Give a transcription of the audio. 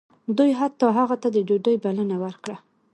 دوی حتی هغه ته د ډوډۍ بلنه ورکړه